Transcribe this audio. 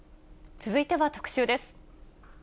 続いては特集です。